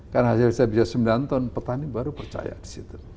karena hasilnya bisa sembilan ton petani baru percaya di situ